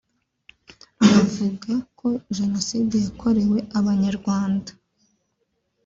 bavuga ko Jenoside yakorewe Abanyarwanda